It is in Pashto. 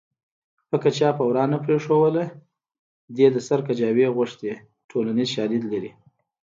پکه چا په ورا نه پرېښوده دې د سر کجاوې غوښتې ټولنیز شالید لري